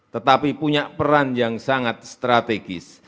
tetapi punya peran yang sangat strategis